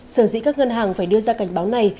sở dĩ các ngân hàng phải đưa ra cảnh báo này